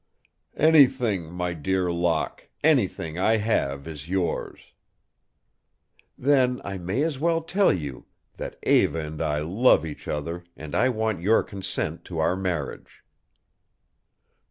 "Anything, my dear Locke, anything I have is yours." "Then I may as well tell you that Eva and I love each other and I want your consent to our marriage."